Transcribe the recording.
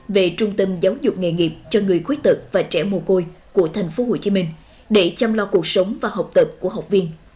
về trung tâm giáo dục nghề nghiệp cho người khuyết tật và trẻ mồ côi của tp hcm để chăm lo cuộc sống và học tập của học viên